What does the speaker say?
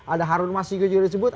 ada harun mas hinku juga disebut